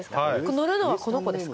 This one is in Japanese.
乗るのは、この子ですか？